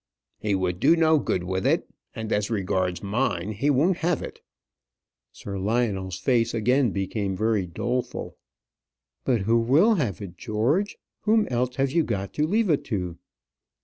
"He would do no good with it; and, as regards mine, he won't have it." Sir Lionel's face again became very doleful. "But who will have it, George? Whom else have you got to leave it to?"